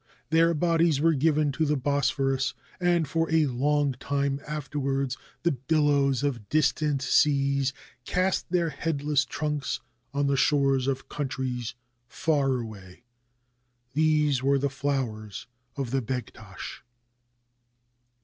Their bodies were given to the Bosphorus, and for a long time afterwards the billows of distant seas cast their headless trunks on the shores of coun tries far away. These were the flowers of Begtash.